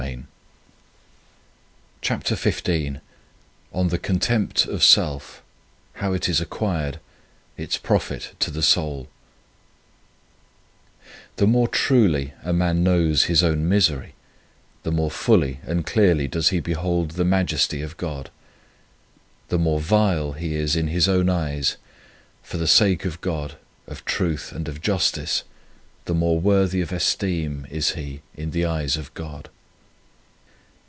93 CHAPTER XV ON THE CONTEMPT OF SELF : HOW IT IS ACQUIRED :, ITS PROFIT TO THE SOUL THE more truly a man knows his own misery, the more fully and clearly does he behold the majesty of God. The more vile he is in his own eyes for the sake of God, of truth, and of justice, the more worthy of esteem is he in the eyes of God.